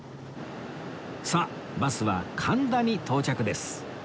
さあバスは神田に到着です